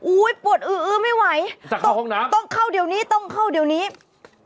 อุ้ยปวดอื้ออื้อไม่ไหวต้องเข้าเดี๋ยวนี้ต้องเข้าเดี๋ยวนี้จากห้องน้ำ